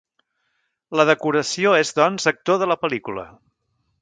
La decoració és doncs actor de la pel·lícula.